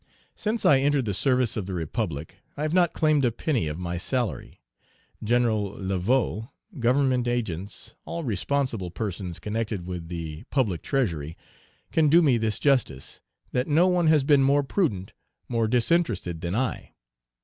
Since I entered the service of the Republic, I have not claimed a penny of my salary; Gen. Laveaux, Government agents, all responsible persons connected with the public treasury, can do me this justice, that no one has been more prudent, more disinterested than I.